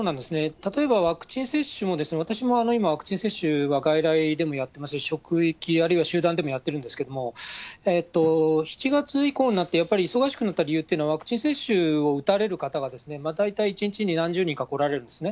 例えばワクチン接種も、私も今、ワクチン接種は外来でもやってますし、職域、あるいは集団でもやってるんですけれども、７月以降になって、やっぱり忙しくなった理由というのは、ワクチン接種を打たれる方が、大体１日に何十人か来られるんですね。